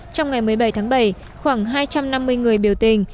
trong ngày một mươi bảy tháng bảy khoảng hai trăm năm mươi người biểu tình